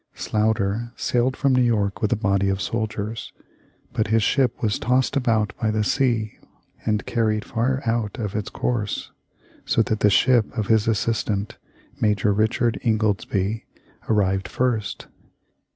Sloughter sailed for New York with a body of soldiers, but his ship was tossed about by the sea, and carried far out of its course, so that the ship of his assistant, Major Richard Ingoldsby, arrived first.